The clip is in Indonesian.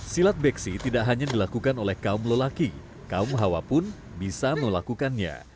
silat beksi tidak hanya dilakukan oleh kaum lelaki kaum hawa pun bisa melakukannya